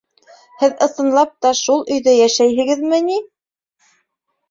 — Һеҙ ысынлап та шул өйҙә йәшәйһегеҙме ни?